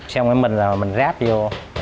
xong rồi mình ráp vô